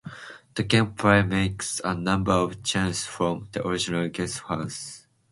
The gameplay makes a number of changes from the original "Gunstar Heroes".